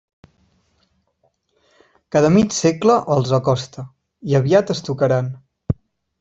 Cada mig segle els acosta, i aviat es tocaran.